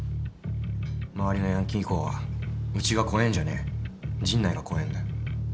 周りのヤンキー校はうちが怖えんじゃねえ陣内が怖えんだよ。